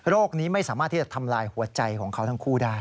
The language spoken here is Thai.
นี้ไม่สามารถที่จะทำลายหัวใจของเขาทั้งคู่ได้